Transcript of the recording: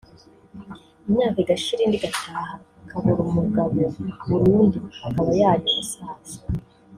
imyaka igashira indi igataha akabura umugabo burundu akaba yarinda asaza